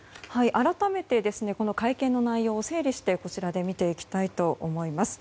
改めて会見の内容を整理してこちらで見ていきたいと思います。